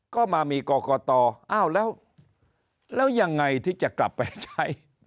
ก็มามีกรกตอ้าวแล้วยังไงที่จะกลับไปใช้